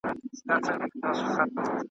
هغه به عادي نظم وي .